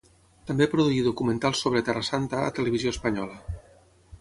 També produí documentals sobre Terra Santa a Televisió Espanyola.